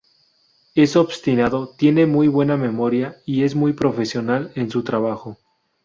Es obstinado, tiene muy buena memoria, y es muy profesional en su trabajo.